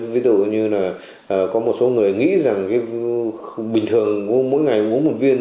ví dụ như là có một số người nghĩ rằng cái bình thường mỗi ngày uống một viên